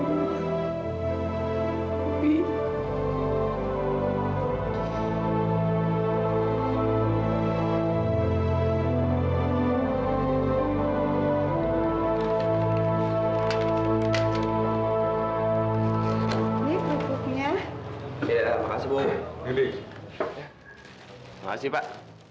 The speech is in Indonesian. terima kasih pak